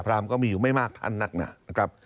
พราหมณ์ก็มีอยู่ไม่มากทันนักหนา